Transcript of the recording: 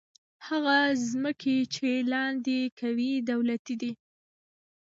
هغه ځمکې چې لاندې کوي، دولتي دي.